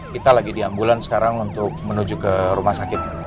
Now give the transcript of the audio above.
kita lagi di ambulans sekarang untuk menuju ke rumah sakit